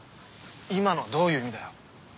今のどういう意味だよ？